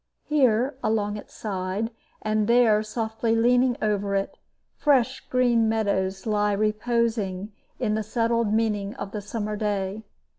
Here along its side, and there softly leaning over it, fresh green meadows lie reposing in the settled meaning of the summer day.